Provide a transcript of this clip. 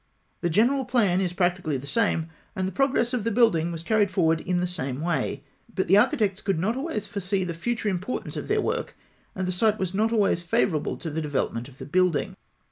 The general plan is practically the same, and the progress of the building was carried forward in the same way; but the architects could not always foresee the future importance of their work, and the site was not always favourable to the development of the building.